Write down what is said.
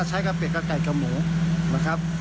ดีครับ